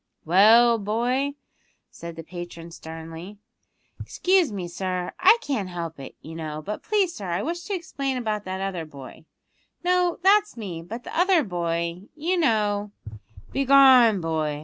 "Well, boy?" said the patron sternly. "Excuse me, sir; I can't help it, you know; but please, sir, I wish to explain about that other boy no, that's me, but the other other boy, you know " "Begone, boy!"